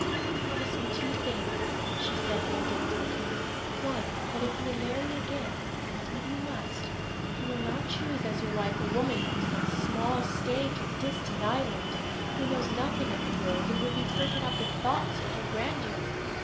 "Promise me two things," she said one day to the king; "one, that if you marry again, as indeed you must, you will not choose as your wife a woman from some small state or distant island, who knows nothing of the world, and will be taken up with thoughts of her grandeur.